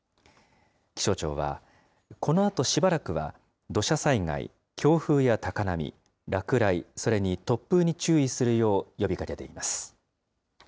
気象庁はこのあとしばらくは、土砂災害、強風や高波、落雷、それに突風に注意するよう呼びかけています。